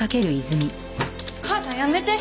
母さんやめて。